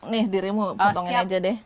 nih dirimu potongin aja deh